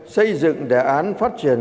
xây dựng đề án phát triển